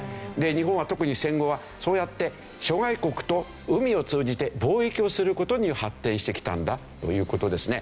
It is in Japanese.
日本は特に戦後はそうやって諸外国と海を通じて貿易をする事で発展してきたんだという事ですね。